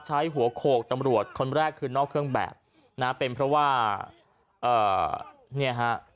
ใช้หัวโขกตำรวจคนแรกคือนอกเครื่องแบบนะเป็นเพราะว่าเอ่อเนี่ยฮะ